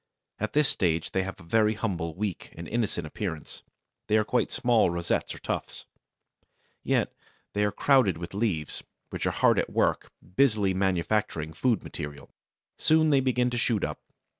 At this stage they have a very humble, weak, and innocent appearance: they are quite small rosettes or tufts. Yet they are crowded with leaves, which are hard at work busily manufacturing food material. Soon they begin to shoot up.